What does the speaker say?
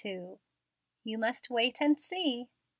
"YOU MUST WAIT AND SEE."